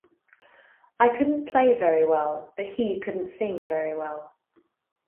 I couldn't play very well, but he couldn't sing very well.